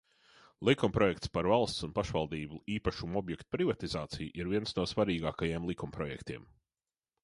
"Likumprojekts "Par valsts un pašvaldību īpašuma objektu privatizāciju" ir viens no svarīgākajiem likumprojektiem."